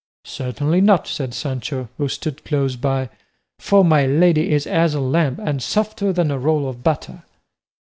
"Certainly not," said Sancho, who stood close by, "for my lady is as a lamb, and softer than a roll of butter."